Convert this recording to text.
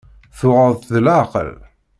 Tuɣeḍ-tt deg leɛqel?